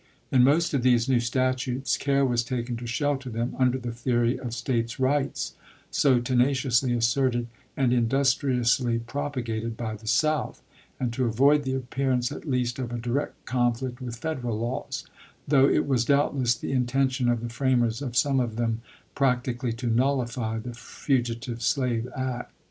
In most of these new statutes care was taken to shelter them under the theory of States rights, so tenaciously asserted and industriously propagated by the South, and to avoid the appearance at least of a direct conflict with Federal laws ; though it was doubtless the intention of the framers of some of them practi cally to nullify the fugitive slave act.